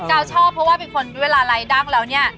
แก่วชอบเพราะว่าเป็นคนวียราไล่ดังแล้วนี่